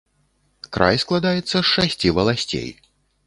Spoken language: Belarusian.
Край складаецца з шасці валасцей.